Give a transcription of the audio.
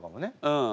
うん。